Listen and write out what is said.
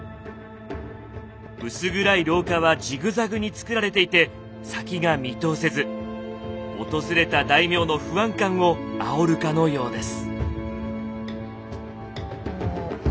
薄暗い廊下はジグザグに作られていて先が見通せず訪れた大名の不安感をあおるかのようです。